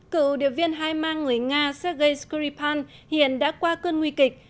cựu điều viên hai mang người nga sergei skripal hiện đã qua cơn nguy kịch